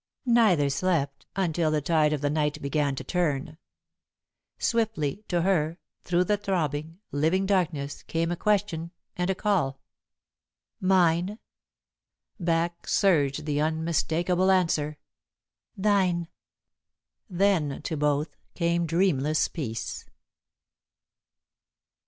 Neither slept, until the tide of the night began to turn. Swiftly, to her, through the throbbing, living darkness, came a question and a call. [Sidenote: Peace] "Mine?" Back surged the unmistakable answer: "Thine." Then, to both, came dreamless peace.